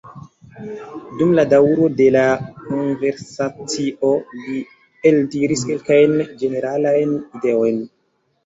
Dum la daŭro de la konversacio, li eldiris kelkajn ĝeneralajn ideojn.